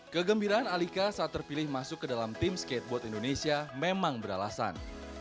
kegembiraan alika saat terpilih masuk ke dalam tim skateboard indonesia memang beralasan